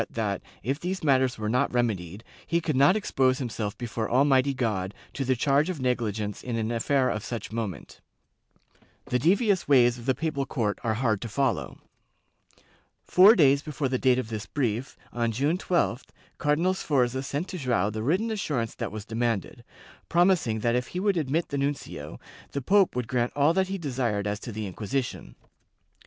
Chap I] INQUISITION OF PORTUGAL 251 that, if these matters were not remedied, he could not expose himself before Almighty God to the charge of negUgence in an affair of such moment/ The devious ways of the papal court are hard to follow. Four days before the date of this brief, on June 12th, Cardinal Sforza sent to Joao the written assurance that was demanded, promising that if he would admit the nuncio, the pope would grant all that he desired as to the Inquisition.